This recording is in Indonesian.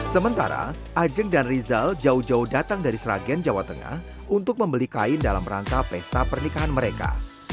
sementara ajeng dan rizal jauh jauh datang dari sragen jawa tengah untuk membeli kain dalam rangka pesta pernikahan mereka